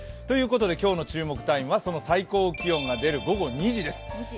今日の注目タイムはその最高気温が出る午後２時です。